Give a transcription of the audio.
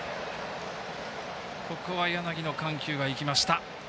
ここは柳の緩急がいきました。